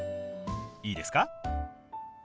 いいですか？